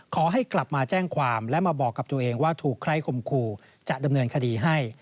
ขอให้กลับมาแจ้งความและมาบอกกับตัวเองว่าถูกใครคมคู่จะดำเนินคดีให้